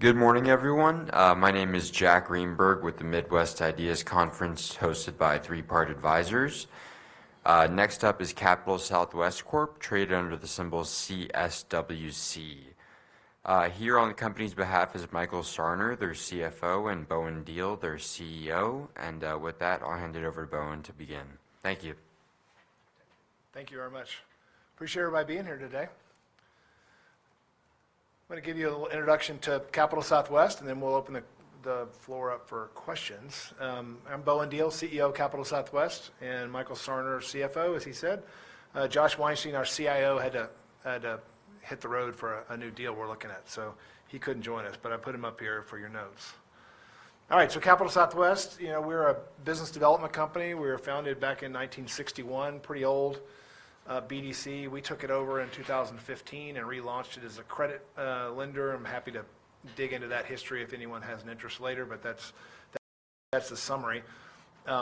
Good morning, everyone. My name is Jack Greenberg, with the Midwest IDEAS Conference, hosted by Three Part Advisors. Next up is Capital Southwest Corp, traded under the symbol CSWC. Here on the company's behalf is Michael Sarner, their CFO, and Bowen Diehl, their CEO. And, with that, I'll hand it over to Bowen to begin. Thank you Thank you very much. Appreciate everybody being here today. I'm gonna give you a little introduction to Capital Southwest, and then we'll open the floor up for questions. I'm Bowen Diehl, CEO of Capital Southwest, and Michael Sarner, CFO, as he said. Josh Weinstein, our CIO, had to hit the road for a new deal we're looking at, so he couldn't join us, but I put him up here for your notes. All right, so Capital Southwest, you know, we're a business development company. We were founded back in 1961. Pretty old BDC. We took it over in 2015 and relaunched it as a credit lender. I'm happy to dig into that history if anyone has an interest later, but that's the summary.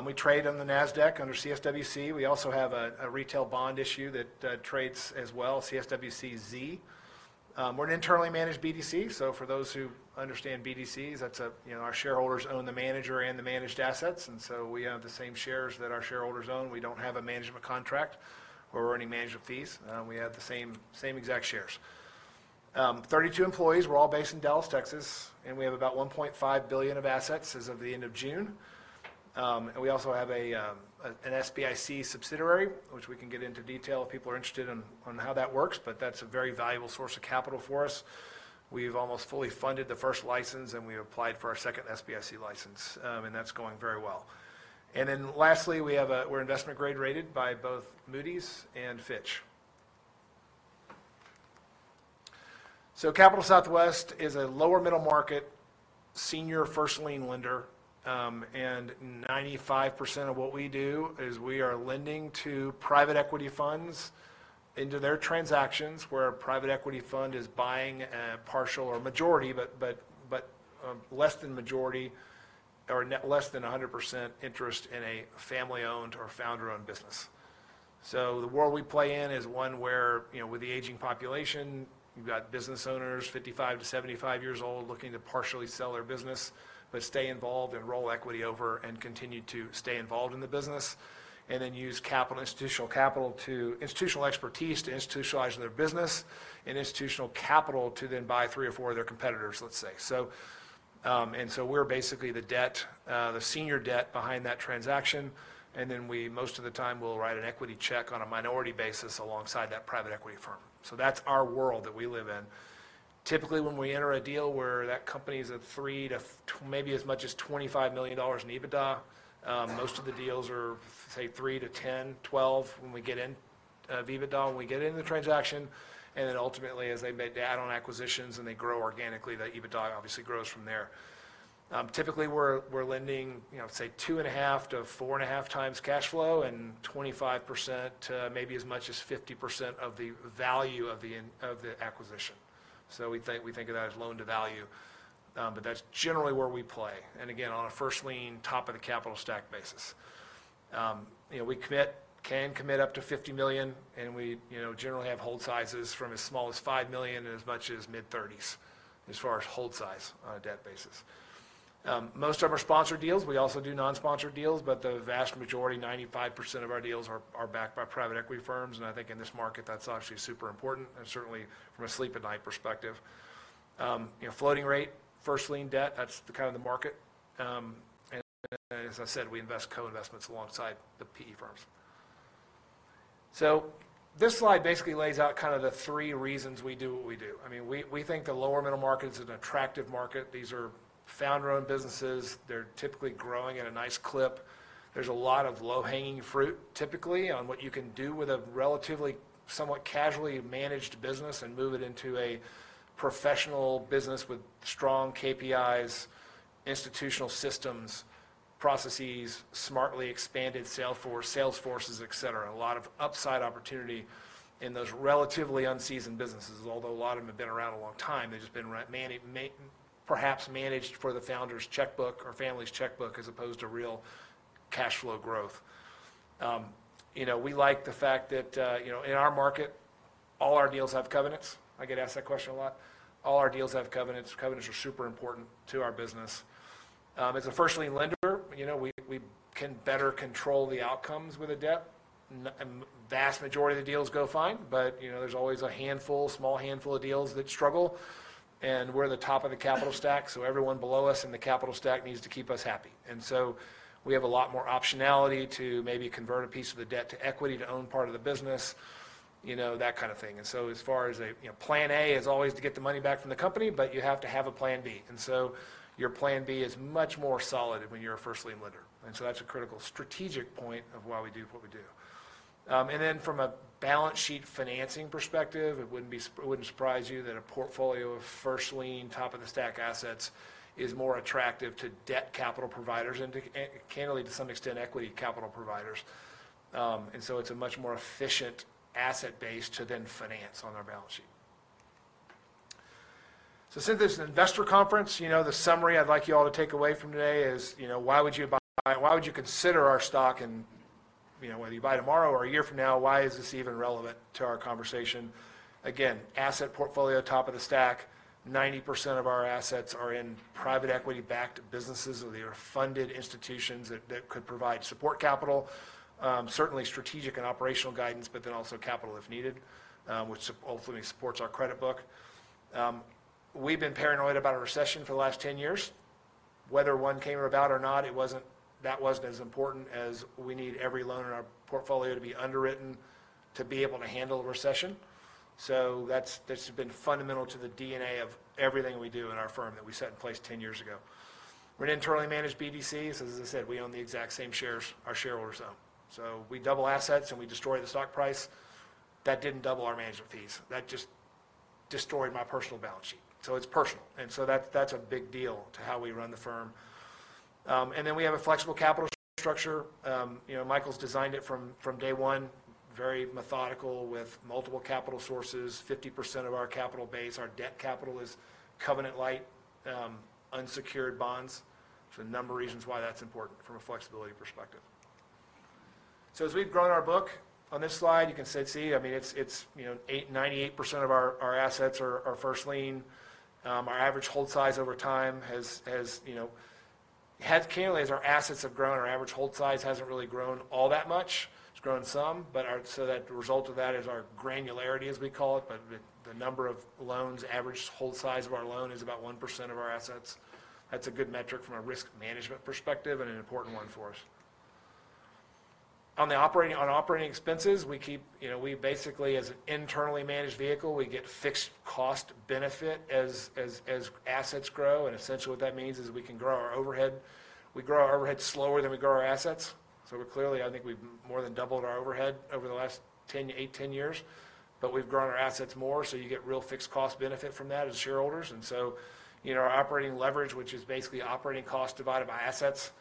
We trade on the Nasdaq under CSWC. We also have a retail bond issue that trades as well, CSWCZ. We're an internally managed BDC, so for those who understand BDCs, that's, you know, our shareholders own the manager and the managed assets, and so we have the same shares that our shareholders own. We don't have a management contract or any management fees. We have the same exact shares. 32 employees, we're all based in Dallas, Texas, and we have about $1.5 billion of assets as of the end of June. And we also have an SBIC subsidiary, which we can get into detail if people are interested in, on how that works, but that's a very valuable source of capital for us. We've almost fully funded the first license, and we applied for our second SBIC license, and that's going very well. And then lastly, we're investment grade rated by both Moody's and Fitch. So Capital Southwest is a lower middle-market, senior first lien lender, and 95% of what we do is we are lending to private equity funds into their transactions, where a private equity fund is buying a partial or majority, but less than majority or less than 100% interest in a family-owned or founder-owned business. So the world we play in is one where, you know, with the aging population, you've got business owners, 55-75 years old, looking to partially sell their business, but stay involved and roll equity over and continue to stay involved in the business, and then use capital, institutional capital to institutional expertise to institutionalize their business, and institutional capital to then buy three or four of their competitors, let's say. And so we're basically the debt, the senior debt behind that transaction, and then we, most of the time, will write an equity check on a minority basis alongside that private equity firm. That's our world that we live in. Typically, when we enter a deal where that company's at three to maybe as much as $25 million in EBITDA, most of the deals are, say, three to 10, 12, when we get in, of EBITDA, when we get in the transaction, and then ultimately, as they add on acquisitions and they grow organically, that EBITDA obviously grows from there. Typically, we're lending, you know, say, 2.5 to 4.5 times cash flow, and 25% to maybe as much as 50% of the value of the acquisition. So we think of that as loan-to-value, but that's generally where we play, and again, on a first lien, top-of-the-capital-stack basis. You know, we can commit up to $50 million, and you know, generally have hold sizes from as small as $5 million and as much as mid-30s, as far as hold size on a debt basis. Most of them are sponsored deals. We also do non-sponsored deals, but the vast majority, 95% of our deals are backed by private equity firms, and I think in this market, that's actually super important, and certainly from a sleep-at-night perspective. You know, floating rate, first lien debt, that's the kind of the market. And as I said, we invest co-investments alongside the PE firms. So this slide basically lays out kind of the three reasons we do what we do. I mean, we, we think the lower middle market is an attractive market. These are founder-owned businesses. They're typically growing at a nice clip. There's a lot of low-hanging fruit, typically, on what you can do with a relatively, somewhat casually managed business and move it into a professional business with strong KPIs, institutional systems, processes, smartly expanded salesforce, et cetera. A lot of upside opportunity in those relatively unseasoned businesses, although a lot of them have been around a long time, they've just been run, perhaps managed for the founder's checkbook or family's checkbook, as opposed to real cash flow growth. You know, we like the fact that, you know, in our market, all our deals have covenants. I get asked that question a lot. All our deals have covenants. Covenants are super important to our business. As a first lien lender, you know, we can better control the outcomes with a debt. Vast majority of the deals go fine, but, you know, there's always a handful, a small handful of deals that struggle, and we're the top of the capital stack, so everyone below us in the capital stack needs to keep us happy. And so we have a lot more optionality to maybe convert a piece of the debt to equity to own part of the business, you know, that kind of thing. And so as far as a, you know, plan A is always to get the money back from the company, but you have to have a plan B, and so your plan B is much more solid when you're a first lien lender, and so that's a critical strategic point of why we do what we do. And then from a balance sheet financing perspective, it wouldn't surprise you that a portfolio of first lien, top-of-the-stack assets is more attractive to debt capital providers and, candidly, to some extent, equity capital providers. And so it's a much more efficient asset base to then finance on our balance sheet. So since this is an investor conference, you know, the summary I'd like you all to take away from today is, you know, why would you buy? Why would you consider our stock? And, you know, whether you buy tomorrow or a year from now, why is this even relevant to our conversation? Again, asset portfolio, top of the stack, 90% of our assets are in private equity-backed businesses, so they are funded institutions that could provide support capital, certainly strategic and operational guidance, but then also capital if needed, which ultimately supports our credit book. We've been paranoid about a recession for the last 10 years. Whether one came about or not, that wasn't as important as we need every loan in our portfolio to be underwritten, to be able to handle a recession. That's been fundamental to the DNA of everything we do in our firm that we set in place 10 years ago. We're an internally managed BDC, so as I said, we own the exact same shares our shareholders own. We double assets, and we destroy the stock price, that didn't double our management fees. That just destroyed my personal balance sheet, so it's personal, and so that, that's a big deal to how we run the firm. And then we have a flexible capital structure. You know, Michael's designed it from day one, very methodical with multiple capital sources. 50% of our capital base, our debt capital is covenant-lite, unsecured bonds. There's a number of reasons why that's important from a flexibility perspective. So as we've grown our book on this slide, you can see, I mean, it's, you know, 98% of our assets are first lien. Our average hold size over time has, you know, candidly, as our assets have grown, our average hold size hasn't really grown all that much. It's grown some, but so the result of that is our granularity, as we call it, but the number of loans, average hold size of our loan is about 1% of our assets. That's a good metric from a risk management perspective and an important one for us. On the operating, on operating expenses, we keep. You know, we basically, as an internally managed vehicle, we get fixed cost benefit as assets grow, and essentially what that means is we can grow our overhead. We grow our overhead slower than we grow our assets. We're clearly, I think we've more than doubled our overhead over the last eight to 10 years, but we've grown our assets more, so you get real fixed cost benefit from that as shareholders. And so, you know, our operating leverage, which is basically operating cost divided by assets,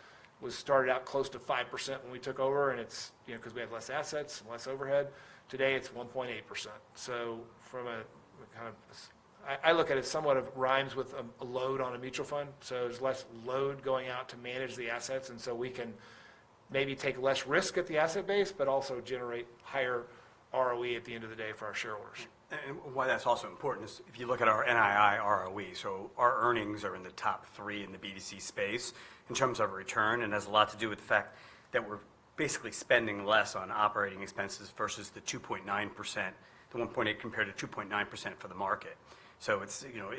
was started out close to 5% when we took over, and it's, you know, 'cause we had less assets and less overhead. Today, it's 1.8%, so from a kind of [inaudible] I look at it somewhat it rhymes with a load on a mutual fund, so there's less load going out to manage the assets, and so we can maybe take less risk at the asset base but also generate higher ROE at the end of the day for our shareholders. Why that's also important is if you look at our NII ROE, so our earnings are in the top three in the BDC space in terms of return and has a lot to do with the fact that we're basically spending less on operating expenses versus the 2.9%, the 1.8% compared to 2.9% for the market. So it's, you know,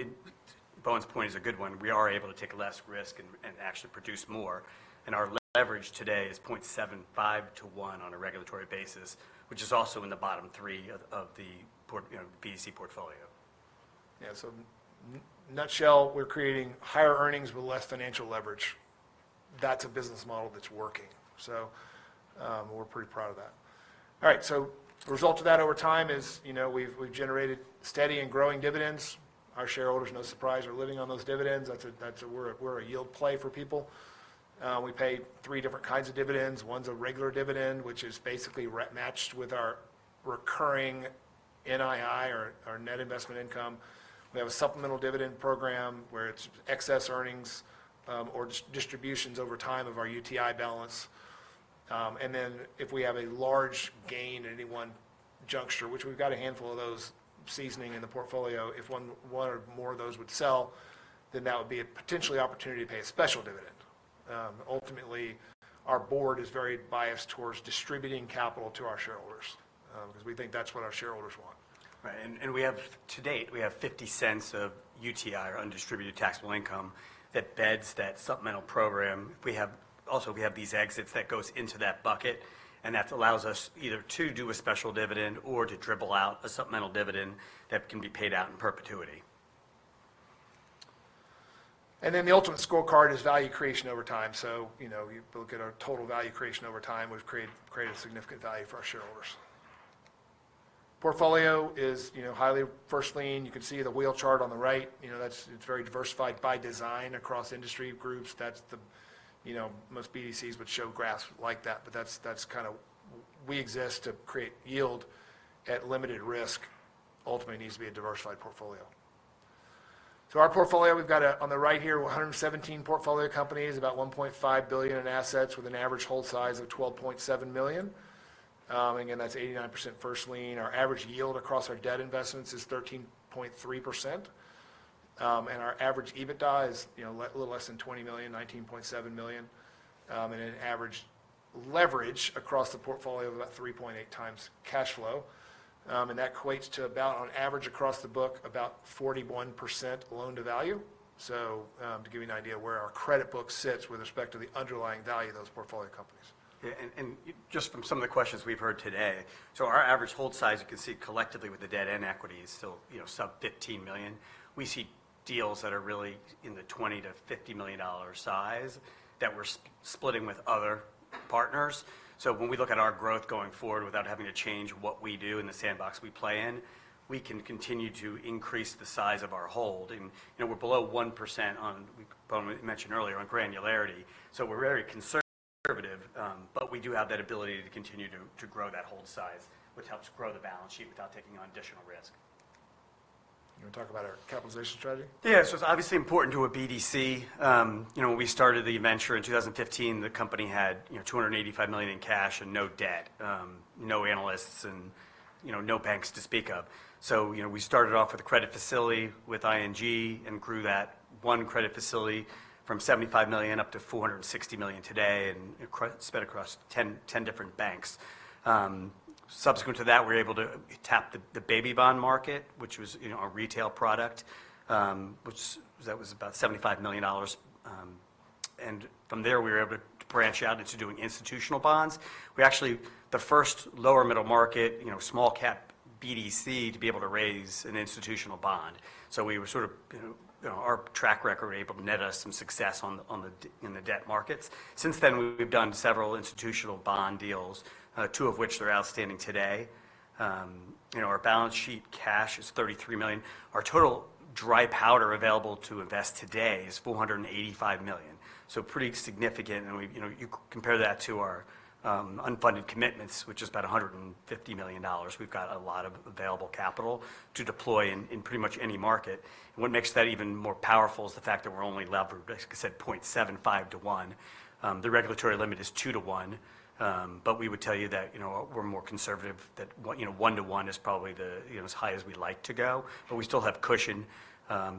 Bowen's point is a good one. We are able to take less risk and actually produce more, and our leverage today is 0.75 to 1 on a regulatory basis, which is also in the bottom three of the portfolio, you know, BDC portfolio. Yeah, so nutshell, we're creating higher earnings with less financial leverage. That's a business model that's working, so we're pretty proud of that. All right, so the result of that over time is, you know, we've generated steady and growing dividends. Our shareholders, no surprise, are living on those dividends. That's where a yield play for people. We pay three different kinds of dividends. One's a regular dividend, which is basically matched with our recurring NII or net investment income. We have a supplemental dividend program, where it's excess earnings or distributions over time of our UTI balance. And then if we have a large gain in any one juncture, which we've got a handful of those seasoning in the portfolio, if one or more of those would sell, then that would be a potential opportunity to pay a special dividend. Ultimately, our board is very biased towards distributing capital to our shareholders, 'cause we think that's what our shareholders want. Right, and, and we have, to date, we have $0.50 of UTI, or undistributed taxable income, that backs that supplemental program. We have also these exits that goes into that bucket, and that allows us either to do a special dividend or to dribble out a supplemental dividend that can be paid out in perpetuity. And then the ultimate scorecard is value creation over time. So, you know, you look at our total value creation over time, we've created significant value for our shareholders. Portfolio is, you know, highly first lien. You can see the wheel chart on the right. You know, that's. It's very diversified by design across industry groups. That's. You know, most BDCs would show graphs like that, but that's kind of. We exist to create yield at limited risk. Ultimately, it needs to be a diversified portfolio. So our portfolio, we've got on the right here, 117 portfolio companies, about $1.5 billion in assets, with an average hold size of $12.7 million. Again, that's 89% first lien. Our average yield across our debt investments is 13.3%. And our average EBITDA is, you know, a little less than $20 million, $19.7 million. And an average leverage across the portfolio of about three point eight times cash flow, and that equates to about, on average, across the book, about 41% loan-to-value. So, to give you an idea where our credit book sits with respect to the underlying value of those portfolio companies. Yeah, and just from some of the questions we've heard today, so our average hold size, you can see collectively with the debt and equity is still, you know, sub-$15 million. We see deals that are really in the $20-$50 million size that we're splitting with other partners. So when we look at our growth going forward, without having to change what we do in the sandbox we play in, we can continue to increase the size of our hold, and, you know, we're below 1% on, we mentioned earlier, on granularity. So we're very conservative, but we do have that ability to continue to grow that hold size, which helps grow the balance sheet without taking on additional risk. You wanna talk about our capitalization strategy? Yeah. So it's obviously important to a BDC. You know, when we started the venture in 2015, the company had, you know, $285 million in cash and no debt, no analysts, and, you know, no banks to speak of. So, you know, we started off with a credit facility with ING and grew that one credit facility from $75 million up to $460 million today, and it's spread across 10 different banks. Subsequent to that, we were able to tap the baby bond market, which was, you know, our retail product, which was about $75 million. And from there, we were able to branch out into doing institutional bonds. We're actually the first lower middle market, you know, small cap BDC to be able to raise an institutional bond. So we were sort of, you know, our track record were able to net us some success in the debt markets. Since then, we've done several institutional bond deals, two of which that are outstanding today. You know, our balance sheet cash is $33 million. Our total dry powder available to invest today is $485 million, so pretty significant, and we, you know, you compare that to our unfunded commitments, which is about $150 million. We've got a lot of available capital to deploy in pretty much any market. And what makes that even more powerful is the fact that we're only levered, like I said, 0.75 to one. The regulatory limit is two to one, but we would tell you that, you know, we're more conservative, that, you know, one to one is probably the, you know, as high as we like to go, but we still have cushion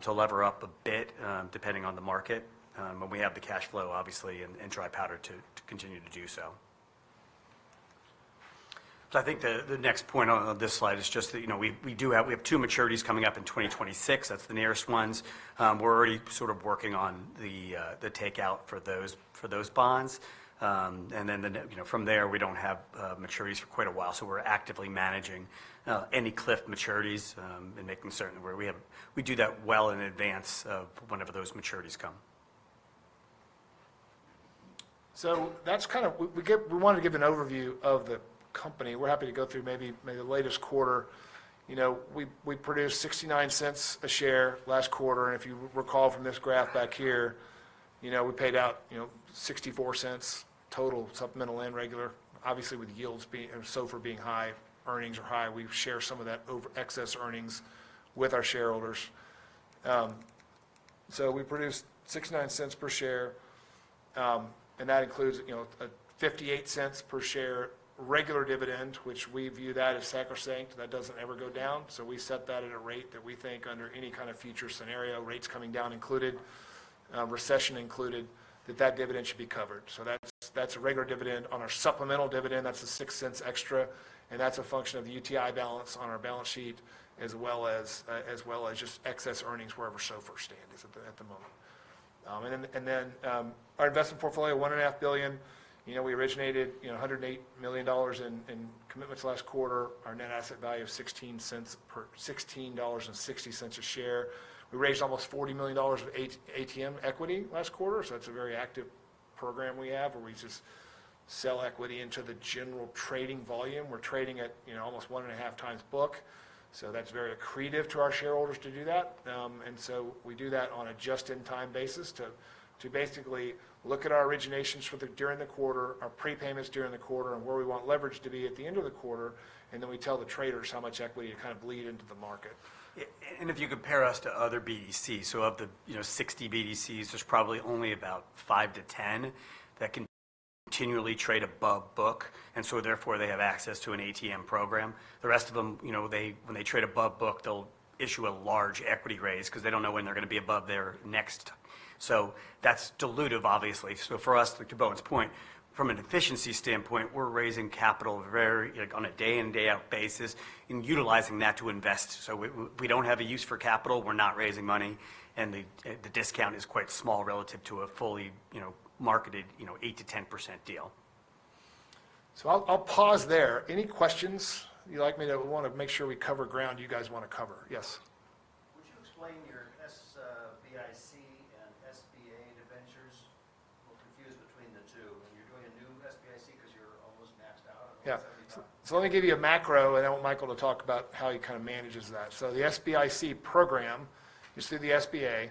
to lever up a bit, depending on the market. We have the cash flow, obviously, and dry powder to continue to do so. So I think the next point on this slide is just that, you know, we do have. We have two maturities coming up in 2026. That's the nearest ones. We're already sort of working on the takeout for those bonds. And then, you know, from there, we don't have maturities for quite a while, so we're actively managing any cliff maturities, and making certain where we have. We do that well in advance of whenever those maturities come. So we want to give an overview of the company. We're happy to go through maybe the latest quarter. You know, we produced $0.69 a share last quarter, and if you recall from this graph back here, you know, we paid out, you know, $0.64 total, supplemental and regular. Obviously, with yields being, and SOFR being high, earnings are high. We've shared some of that in excess earnings with our shareholders. So we produced $0.69 per share, and that includes, you know, a $0.58 per share regular dividend, which we view that as sacrosanct. That doesn't ever go down, so we set that at a rate that we think under any kind of future scenario, rates coming down included, recession included, that dividend should be covered. So that's a regular dividend. On our supplemental dividend, that's a $0.06 extra, and that's a function of the UTI balance on our balance sheet, as well as just excess earnings, wherever SOFR first stands at the moment. And then, our investment portfolio, $1.5 billion. You know, we originated, you know, $108 million in commitments last quarter. Our net asset value of $16.60 a share. We raised almost $40 million of ATM equity last quarter, so that's a very active program we have, where we just sell equity into the general trading volume. We're trading at, you know, almost 1.5 times book, so that's very accretive to our shareholders to do that. And so we do that on a just-in-time basis to basically look at our originations during the quarter, our prepayments during the quarter, and where we want leverage to be at the end of the quarter, and then we tell the traders how much equity to kind of bleed into the market. Yeah, and if you compare us to other BDCs, so of the, you know, 60 BDCs, there's probably only about 5-10 that can continually trade above book, and so therefore they have access to an ATM program. The rest of them, you know, they when they trade above book, they'll issue a large equity raise 'cause they don't know when they're gonna be above their next. So that's dilutive, obviously. So for us, to Bowen's point, from an efficiency standpoint, we're raising capital very, like, on a day-in, day-out basis and utilizing that to invest. So we don't have a use for capital, we're not raising money, and the discount is quite small relative to a fully, you know, marketed, you know, 8-10% deal. So I'll pause there. Any questions? You'd like me to, we wanna make sure we cover ground you guys wanna cover. Yes. Would you explain your SBIC and SBA debentures? We're confused between the two, and you're doing a new SBIC cause you're almost maxed out. Yeah. So let me give you a macro, and I want Michael to talk about how he kind of manages that. The SBIC program is through the SBA,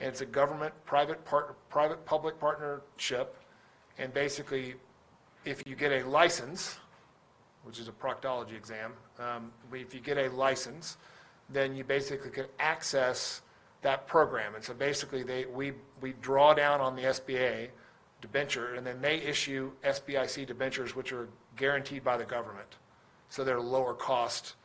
and it's a government private-public partnership. Basically, if you get a license, which is a proctology exam, but if you get a license, then you basically can access that program. We draw down on the SBA debenture, and then they issue SBIC debentures, which are guaranteed by the government. They're lower cost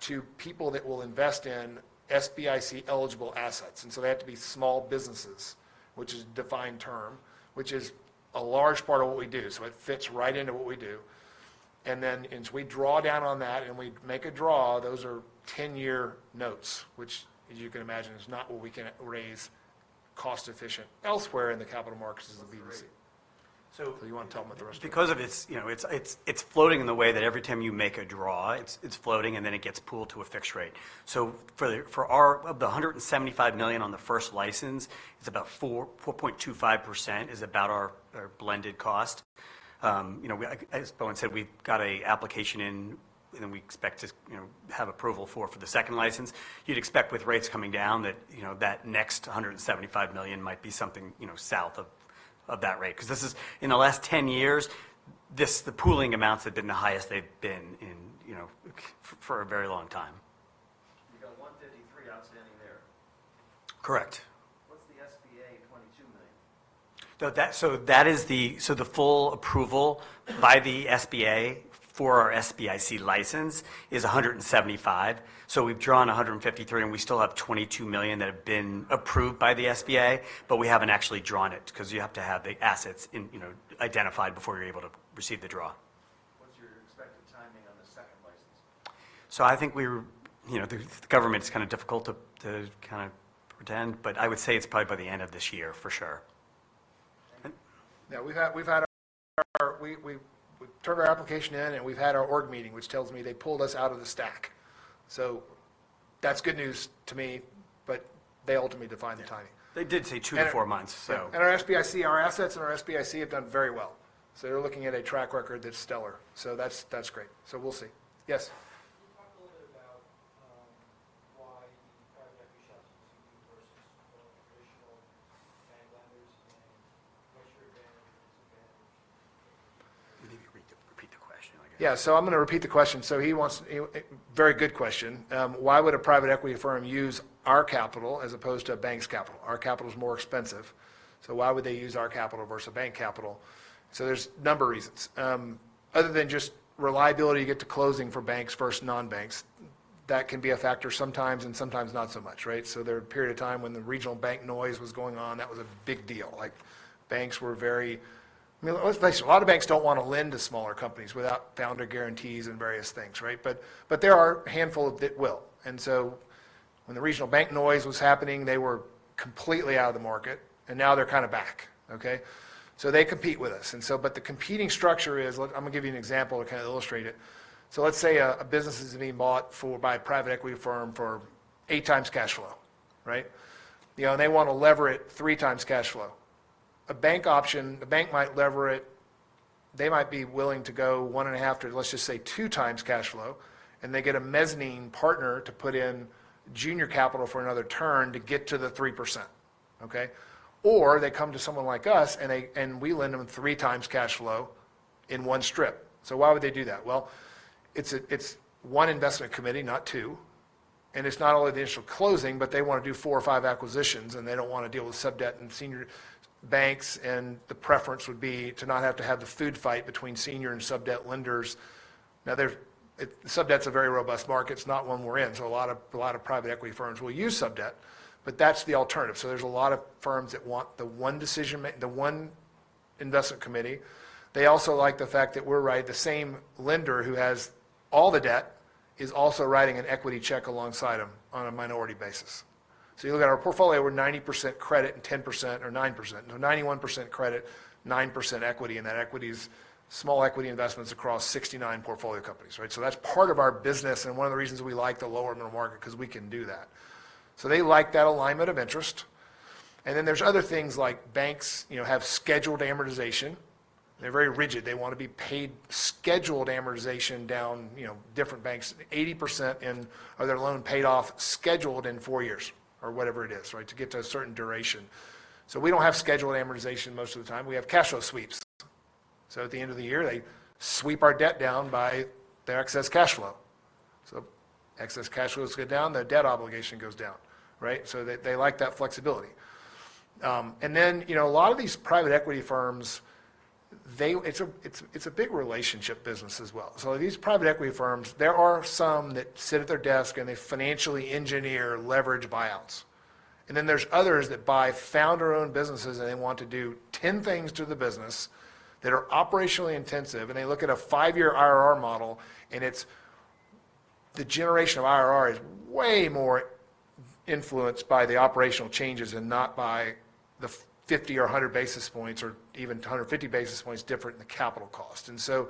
to people that will invest in SBIC-eligible assets, and so they have to be small businesses, which is a defined term, which is a large part of what we do. It fits right into what we do. Then as we draw down on that and we make a draw, those are 10-year notes, which, as you can imagine, is not what we can raise cost-efficient elsewhere in the capital markets as a VC. Great. So do you wanna talk about the rest of it? Because of its, you know, it's floating in the way that every time you make a draw, it's floating, and then it gets pooled to a fixed rate. So for our $175 million on the first lien, it's about 4.25%, our blended cost. You know, like, as Bowen said, we've got an application in, and we expect to, you know, have approval for the second lien. You'd expect with rates coming down that, you know, that next $175 million might be something, you know, south of that rate 'cause this is. In the last 10 years, the pooling amounts have been the highest they've been in, you know, for a very long time. You've got 153 outstanding there? Correct. What's the SBA $22 million? So the full approval by the SBA for our SBIC license is $175 million. So we've drawn $153 million, and we still have $22 million that have been approved by the SBA, but we haven't actually drawn it, 'cause you have to have the assets in, you know, identified before you're able to receive the draw. What's your expected timing on the second license? So I think we're, you know, the government's kind of difficult to kinda predict, but I would say it's probably by the end of this year for sure. Yeah, we've turned our application in, and we've had our org meeting, which tells me they pulled us out of the stack. So that's good news to me, but they ultimately define the timing. They did say two to four months, so- And our SBIC, our assets and our SBIC have done very well. So you're looking at a track record that's stellar. So that's, that's great. So we'll see. Yes? [inaudible] traditional bank lenders, and what's your advantage? You need to read repeat the question like... Yeah, so I'm gonna repeat the question. So he wants... Very good question. Why would a private equity firm use our capital as opposed to a bank's capital? Our capital is more expensive, so why would they use our capital versus a bank capital? So there's a number of reasons. Other than just reliability to get to closing for banks versus non-banks, that can be a factor sometimes and sometimes not so much, right? So there was a period of time when the regional bank noise was going on, that was a big deal. Like, banks were very, I mean, let's face it, a lot of banks don't wanna lend to smaller companies without founder guarantees and various things, right? But there are a handful that will. And so when the regional bank noise was happening, they were completely out of the market, and now they're kind of back, okay? So they compete with us. And so, but the competing structure is, look, I'm gonna give you an example to kind of illustrate it. So let's say a business is being bought by a private equity firm for eight times cash flow, right? You know, and they wanna lever it three times cash flow. A bank option, the bank might lever it, they might be willing to go one and a half to, let's just say, two times cash flow, and they get a mezzanine partner to put in junior capital for another turn to get to the 3%, okay? Or they come to someone like us, and we lend them three times cash flow in one strip. So why would they do that? Well, it's one investment committee, not two, and it's not only the initial closing, but they wanna do four or five acquisitions, and they don't wanna deal with sub-debt and senior banks, and the preference would be to not have to have the food fight between senior and sub-debt lenders. Now, sub-debt's a very robust market. It's not one we're in, so a lot of private equity firms will use sub-debt, but that's the alternative. So there's a lot of firms that want the one investment committee. They also like the fact that we're the same lender who has all the debt is also writing an equity check alongside them on a minority basis. So you look at our portfolio, we're 90% credit and 10% or 9%. No, 91% credit, 9% equity, and that equity is small equity investments across 69 portfolio companies, right? So that's part of our business and one of the reasons we like the lower middle market, 'cause we can do that. So they like that alignment of interest, and then there's other things like banks, you know, have scheduled amortization. They're very rigid. They wanna be paid scheduled amortization down, you know, different banks, 80% in, or their loan paid off, scheduled in four years or whatever it is, right, to get to a certain duration. So we don't have scheduled amortization most of the time. We have cash flow sweeps. So at the end of the year, they sweep our debt down by their excess cash flow. So excess cash flows go down, their debt obligation goes down, right? So they like that flexibility. And then, you know, a lot of these private equity firms, it's a big relationship business as well. So these private equity firms, there are some that sit at their desk, and they financially engineer leveraged buyouts. And then there's others that buy founder-owned businesses, and they want to do ten things to the business that are operationally intensive, and they look at a five-year IRR model, and it's, the generation of IRR is way more influenced by the operational changes and not by the fifty or a hundred basis points or even a hundred and fifty basis points different than the capital cost. And so,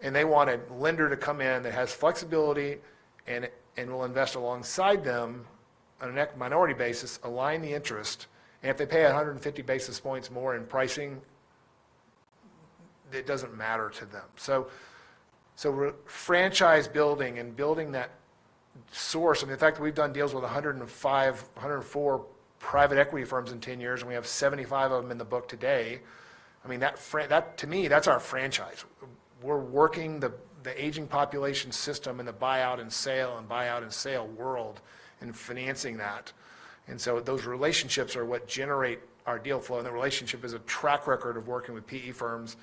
And they want a lender to come in that has flexibility and will invest alongside them on an equity minority basis, align the interest, and if they pay 150 basis points more in pricing, it doesn't matter to them. So we're franchise building and building that source, and the fact that we've done deals with 105, 104 private equity firms in 10 years, and we have 75 of them in the book today, I mean, that franchise, that to me, that's our franchise. We're working the aging population system and the buyout and sale world and financing that, and so those relationships are what generate our deal flow, and the relationship is a track record of working with PE firms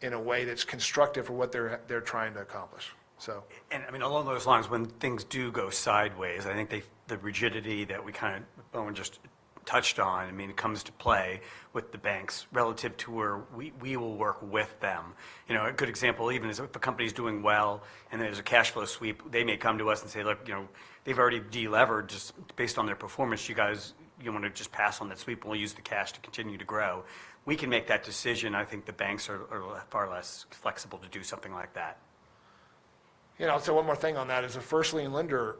in a way that's constructive for what they're trying to accomplish. So I mean, along those lines, when things do go sideways, I think the rigidity that we kind of—Bowen just touched on, I mean, it comes to play with the banks relative to where we will work with them. You know, a good example even is if a company's doing well, and there's a cash flow sweep, they may come to us and say, "Look, you know, they've already de-levered based on their performance. You guys, you want to just pass on that sweep, and we'll use the cash to continue to grow." We can make that decision. I think the banks are far less flexible to do something like that. Yeah, I'll say one more thing on that. As a first lien lender,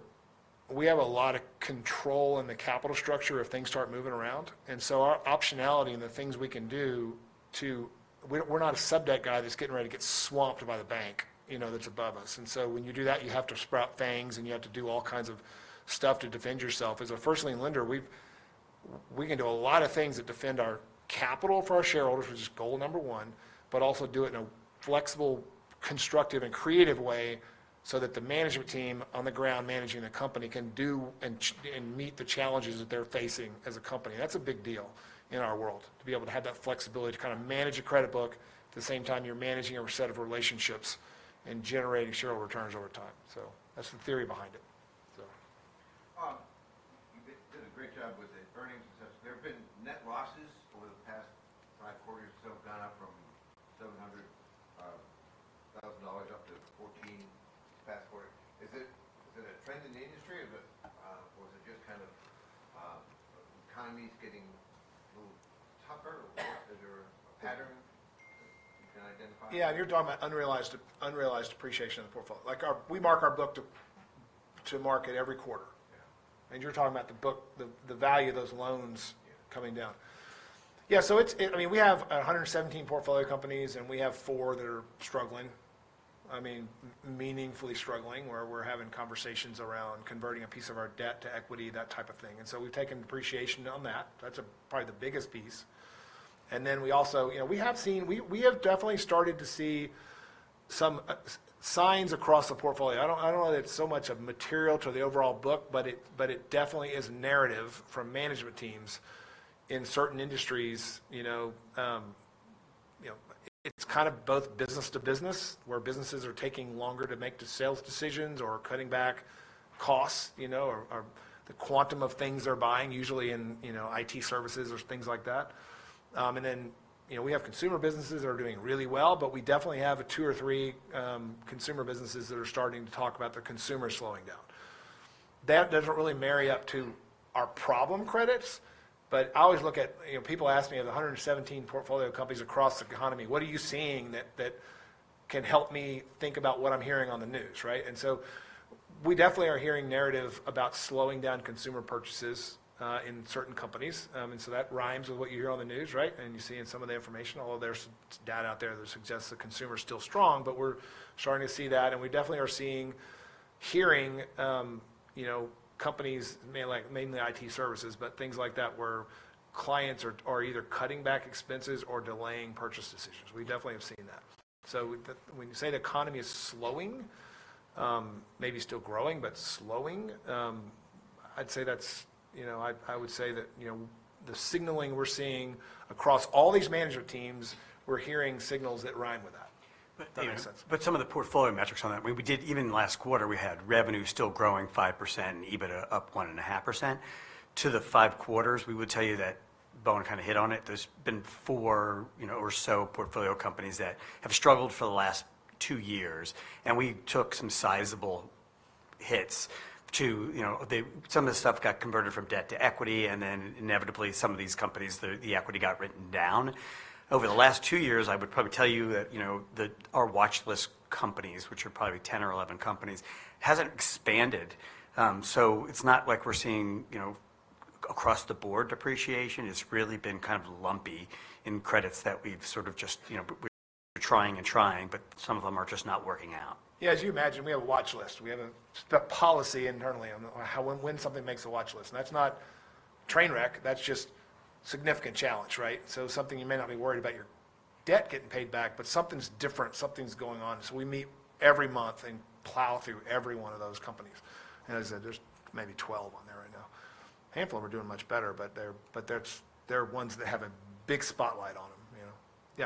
we have a lot of control in the capital structure if things start moving around, and so our optionality and the things we can do to... We're not a sub-debt guy that's getting ready to get swamped by the bank, you know, that's above us, and so when you do that, you have to sprout fangs, and you have to do all kinds of stuff to defend yourself. As a first lien lender, we can do a lot of things that defend our capital for our shareholders, which is goal number one, but also do it in a flexible, constructive, and creative way so that the management team on the ground managing the company can do and meet the challenges that they're facing as a company. That's a big deal in our world, to be able to have that flexibility to kind of manage a credit book, at the same time, you're managing a set of relationships and generating shareholder returns over time. So that's the theory behind it. So You did a great job with the earnings and such. There have been net losses over the past five quarters, so gone up from $700,000 up to 14 last quarter. Is it a trend in the industry, or, but, or is it just kind of economies getting a little tougher? Is there a pattern you can identify? Yeah, you're talking about unrealized appreciation in the portfolio. Like, we mark our book to market every quarter. Yeah. And you're talking about the book, the value of those loans Yeah coming down. Yeah, so it's. I mean, we have a hundred and seventeen portfolio companies, and we have four that are struggling. I mean, meaningfully struggling, where we're having conversations around converting a piece of our debt to equity, that type of thing, and so we've taken depreciation on that. That's probably the biggest piece, and then we also. You know, we have seen. We have definitely started to see some signs across the portfolio. I don't know that it's so much of material to the overall book, but it definitely is narrative from management teams in certain industries, you know, it's kind of both business to business, where businesses are taking longer to make the sales decisions or cutting back costs, you know, or the quantum of things they're buying, usually in IT services or things like that. And then, you know, we have consumer businesses that are doing really well, but we definitely have two or three consumer businesses that are starting to talk about their consumer slowing down. That doesn't really marry up to our problem credits, but I always look at, you know, people ask me, "With 117 portfolio companies across the economy, what are you seeing that can help me think about what I'm hearing on the news," right? And so we definitely are hearing narrative about slowing down consumer purchases in certain companies. And so that rhymes with what you hear on the news, right? And you see in some of the information, although there's some data out there that suggests the consumer's still strong, but we're starting to see that, and we definitely are seeing, hearing, you know, companies, mainly IT services, but things like that, where clients are either cutting back expenses or delaying purchase decisions. We definitely have seen that. When you say the economy is slowing, maybe still growing but slowing, I'd say that's, you know, I would say that, you know, the signaling we're seeing across all these management teams. We're hearing signals that rhyme with that. But- If that makes sense. But some of the portfolio metrics on that, we did, even last quarter, we had revenue still growing 5% and EBITDA up 1.5%. Over the last five quarters, we would tell you that Bowen kind of hit on it. There's been four, you know, or so portfolio companies that have struggled for the last two years, and we took some sizable hits to. You know, they, some of the stuff got converted from debt to equity, and then inevitably, some of these companies, the equity got written down. Over the last two years, I would probably tell you that, you know, that our watchlist companies, which are probably 10 or 11 companies, hasn't expanded. So it's not like we're seeing, you know, across-the-board depreciation. It's really been kind of lumpy in credits that we've sort of just, you know, we're trying and trying, but some of them are just not working out. Yeah, as you imagine, we have a watchlist. We have a, the policy internally on how, when something makes a watchlist, and that's not train wreck, that's just significant challenge, right? So something you may not be worried about your debt getting paid back, but something's different, something's going on. So we meet every month and plow through every one of those companies, and as I said, there's maybe twelve on there right now. A handful of them are doing much better, but they're ones that have a big spotlight on them, you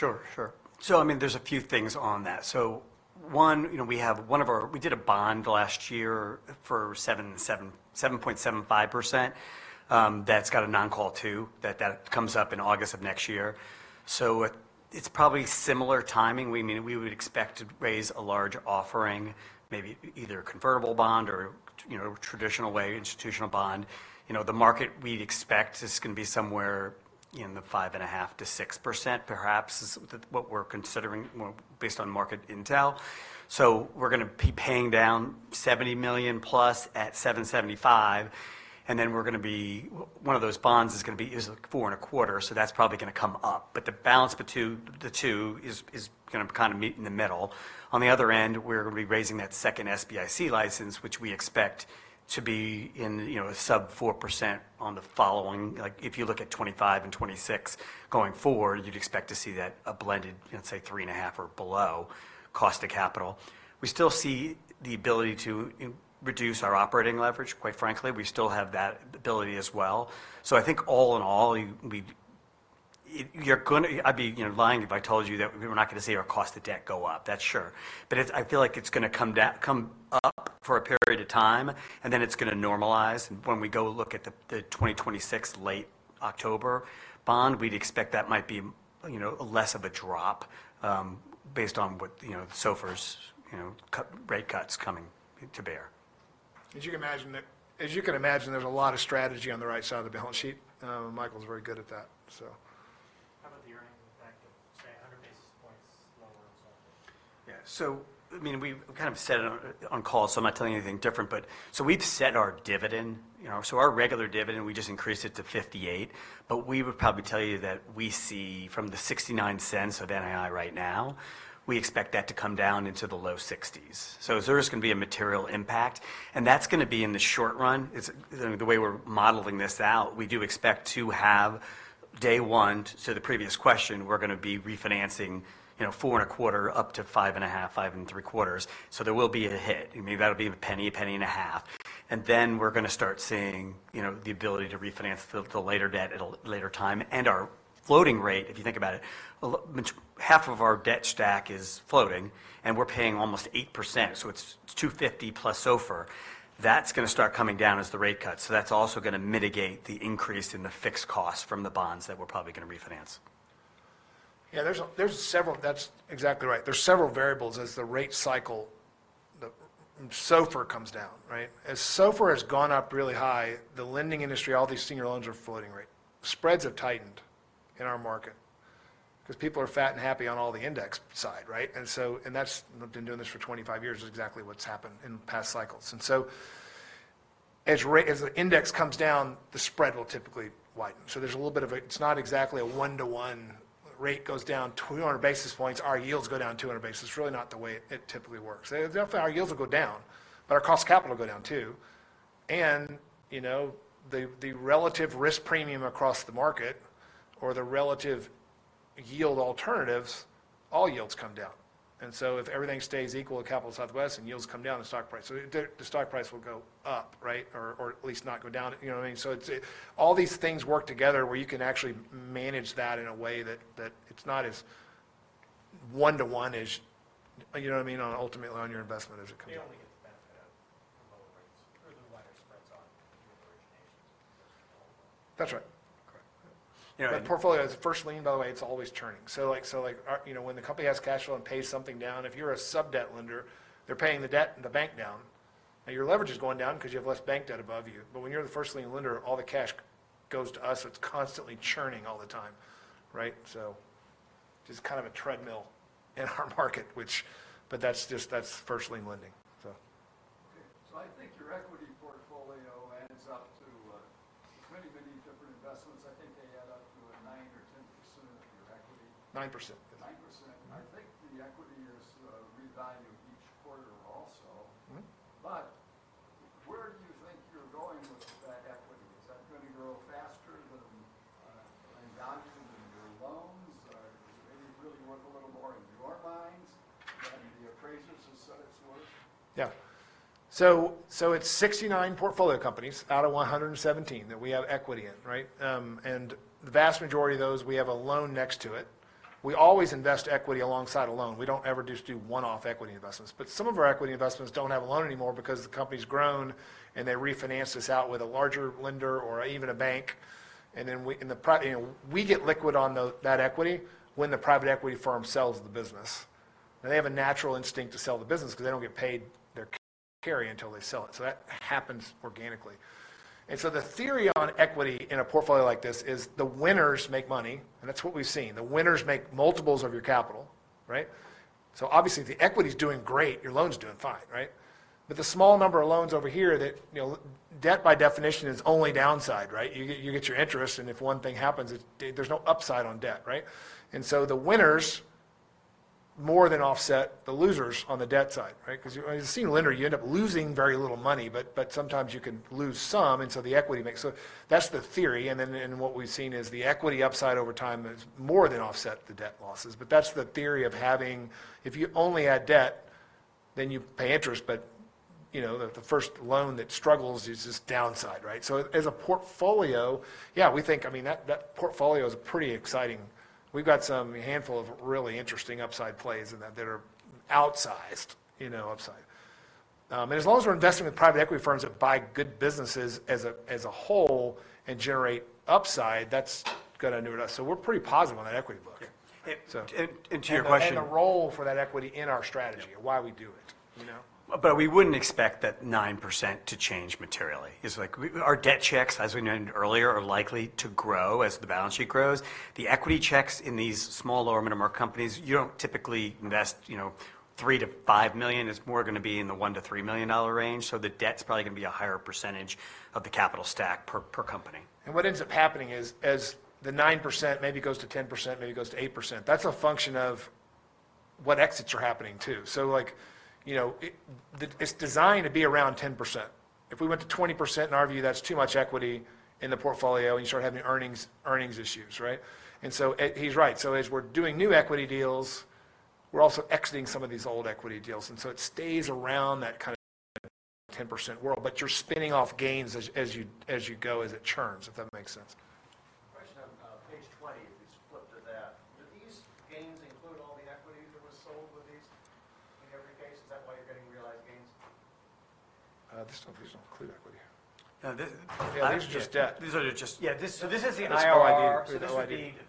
know? Yeah. What is the impact on NII after your debt gets refinanced, the 2026 debt? Sure, sure. So I mean, there's a few things on that. So one, you know, we have one of our- we did a bond last year for 7.75%. That's got a non-call too, that, that comes up in August of next year. So it's probably similar timing. We, I mean, we would expect to raise a large offering, maybe either a convertible bond or, you know, traditional way, institutional bond. You know, the market we'd expect is going to be somewhere in the 5.5%-6%, perhaps, is what we're considering, well, based on market intel. So we're going to be paying down $70 million plus at 7.75%, and then we're going to be- one of those bonds is going to be 4.25%, so that's probably going to come up. But the balance between the two is going to kind of meet in the middle. On the other end, we're going to be raising that second SBIC license, which we expect to be in, you know, a sub 4% on the following. Like, if you look at 2025 and 2026 going forward, you'd expect to see that a blended, let's say, 3.5% or below cost of capital. We still see the ability to reduce our operating leverage, quite frankly. We still have that ability as well. So I think all in all, you're gonna. I'd be, you know, lying if I told you that we're not going to see our cost of debt go up, that's sure. But it's I feel like it's going to come up for a period of time, and then it's going to normalize. When we go look at the 2026 late October bond, we'd expect that might be, you know, less of a drop, based on what, you know, SOFR's, you know, cut, rate cuts coming to bear. As you can imagine, there's a lot of strategy on the right side of the balance sheet, and, Michael's very good at that, so... [inaudible] Yeah. So, I mean, we've kind of said it on call, so I'm not telling you anything different. But so we've set our dividend, you know, so our regular dividend, we just increased it to $0.58, but we would probably tell you that we see from the $0.69 of NII right now, we expect that to come down into the low 60s. So there is going to be a material impact, and that's going to be in the short run. It's the way we're modeling this out, we do expect to have day one, to the previous question, we're going to be refinancing, you know, 4.25 up to 5.5, 5.75. So there will be a hit, maybe that'll be a penny, a penny and a half. Then we're going to start seeing, you know, the ability to refinance the later debt at a later time. Our floating rate, if you think about it, half of our debt stack is floating, and we're paying almost 8%, so it's two fifty plus SOFR. That's going to start coming down as the rate cuts. That also is going to mitigate the increase in the fixed cost from the bonds that we're probably going to refinance. Yeah, there's several. That's exactly right. There's several variables as the rate cycle, the SOFR comes down, right? As SOFR has gone up really high, the lending industry, all these senior loans are floating rate. Spreads have tightened in our market because people are fat and happy on all the index side, right? And so that's what I've been doing this for 25 years is exactly what's happened in past cycles. And so as the index comes down, the spread will typically widen. So there's a little bit of a. It's not exactly a one-to-one rate goes down 200 basis points, our yields go down 200 basis points. It's really not the way it typically works. Definitely, our yields will go down, but our cost capital go down too. And you know, the relative risk premium across the market or the relative yield alternatives, all yields come down. And so if everything stays equal at Capital Southwest and yields come down, the stock price will go up, right? Or at least not go down. You know what I mean? So it's all these things work together where you can actually manage that in a way that it's not as one-to-one as, you know what I mean, on ultimately your investment as it comes- They only get the benefit of the lower rates or the wider spreads on new originations. That's right. [inaudible] You know, the portfolio is first lien, by the way, it's always churning, so like, you know, when the company has cash flow and pays something down, if you're a sub-debt lender, they're paying the debt and the bank down, and your leverage is going down because you have less bank debt above you, but when you're the first lien lender, all the cash goes to us, so it's constantly churning all the time, right, so just kind of a treadmill in our market, which, but that's just, that's first lien lending, so. So I think your equity portfolio adds up to many, many different investments. I think they add up to 9% or 10% of your equity. 9%. I think the equity is revalued each quarter also. Mm-hmm. But where do you think you're going with that equity? Is that going to grow faster than your loans? Or is it really worth a little more in your minds than the appraisers have said it's worth? Yeah. So it's 69 portfolio companies out of 117 that we have equity in, right? And the vast majority of those, we have a loan next to it. We always invest equity alongside a loan. We don't ever just do one-off equity investments. But some of our equity investments don't have a loan anymore because the company's grown, and they refinance this out with a larger lender or even a bank, and then we, you know, we get liquid on that equity when the private equity firm sells the business. And they have a natural instinct to sell the business because they don't get paid their carry until they sell it. So that happens organically. And so the theory on equity in a portfolio like this is the winners make money, and that's what we've seen. The winners make multiples of your capital, right? So obviously, if the equity is doing great, your loan's doing fine, right? But the small number of loans over here that, you know, debt by definition is only downside, right? You get your interest, and if one thing happens, there's no upside on debt, right? And so the winners more than offset the losers on the debt side, right? 'Cause as a senior lender, you end up losing very little money, but sometimes you can lose some, and so the equity makes- so that's the theory, and what we've seen is the equity upside over time has more than offset the debt losses. But that's the theory of having, If you only add debt, then you pay interest, but, you know, the first loan that struggles is just downside, right? So as a portfolio, yeah, we think, I mean, that portfolio is pretty exciting. We've got some handful of really interesting upside plays in that, that are outsized, you know, upside, and as long as we're investing with private equity firms that buy good businesses as a whole and generate upside, that's gonna accrue to us. So we're pretty positive on that equity book. Okay. So To your question And a role for that equity in our strategy Yeah and why we do it, you know? But we wouldn't expect that 9% to change materially. It's like our debt checks, as we noted earlier, are likely to grow as the balance sheet grows. The equity checks in these small, lower middle market companies, you don't typically invest, you know, $3 million-$5 million. It's more gonna be in the $1 million-$3 million range, so the debt's probably gonna be a higher percentage of the capital stack per company. And what ends up happening is, as the 9% maybe goes to 10%, maybe goes to 8%, that's a function of what exits are happening, too. So, like, you know, it, it's designed to be around 10%. If we went to 20%, in our view, that's too much equity in the portfolio, and you start having earnings, earnings issues, right? And so, and he's right. So as we're doing new equity deals, we're also exiting some of these old equity deals, and so it stays around that kind of 10% world. But you're spinning off gains as, as you, as you go, as it churns, if that makes sense. Question on page 20, if you flip to that. Do these gains include all the equity that was sold with these in every case? Is that why you're getting realized gains? These don't include equity. No, the Yeah, these are just debt. Yeah, this, so this is, [inaudible] so this would be the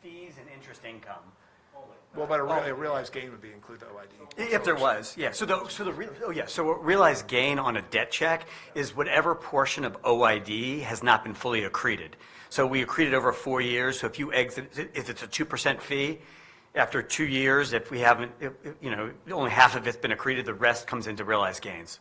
fees and interest income. Totally. Well, but a realized gain would be included in OID. If there was, yeah. Oh, yeah, so realized gain on a debt check is whatever portion of OID has not been fully accreted. So we accrete it over four years, so if you exit it, if it's a 2% fee, after two years, if we haven't, you know, only half of it's been accreted, the rest comes into realized gains.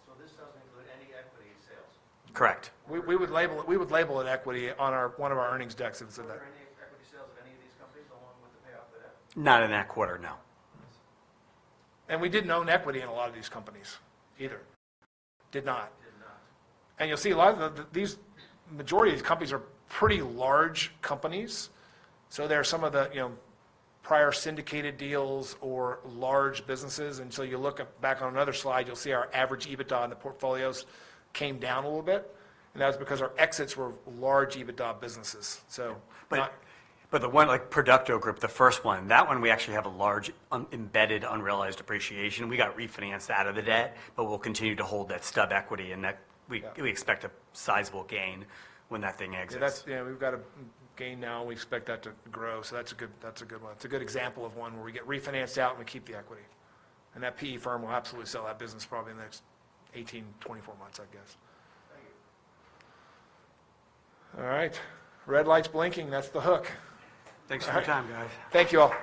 This doesn't include any equity sales? Correct. We would label it equity on one of our earnings decks and so that- is there any equity sales of any of these companies, along with the payoff of the debt? Not in that quarter, no. I see. We didn't own equity in a lot of these companies either. Did not. And you'll see a lot of the majority of these companies are pretty large companies, so there are some of the, you know, prior syndicated deals or large businesses. And so you look up, back on another slide, you'll see our average EBITDA in the portfolios came down a little bit, and that was because our exits were large EBITDA businesses, so But Yeah But the one, like Producto Group, the first one, that one we actually have a large unembedded, unrealized appreciation. We got refinanced out of the debt, but we'll continue to hold that stub equity, and that Yeah we expect a sizable gain when that thing exits. Yeah, that's, you know, we've got a gain now, and we expect that to grow. So that's a good, that's a good one. It's a good example of one where we get refinanced out, and we keep the equity, and that PE firm will absolutely sell that business probably in the next 18-24 months, I guess. Thank you. All right. Red light's blinking, that's the hook. Thanks for your time, guys. Thank you, all.